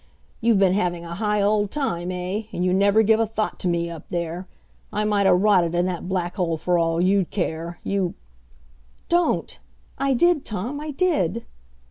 You've been having a high old time, eh, and you never give a thought to me up there! I might 'a' rotted in that black hole for all you'd care, you " "Don't! I did, Tom; I did."